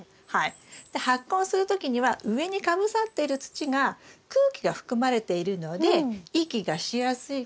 で発根する時には上にかぶさっている土が空気が含まれているので息がしやすいから発根しやすい。